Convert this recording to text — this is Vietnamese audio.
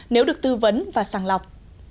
nếu được tư vấn và sàng lọc